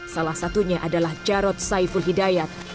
salah satunya adalah jarod saiful hidayat